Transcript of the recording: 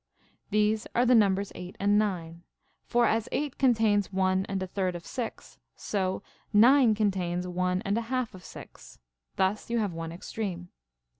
These are the numbers 8 and 9. For as 8 contains one and a third of 6, so 9 contains one and a half of 6 ; thus you have one extreme.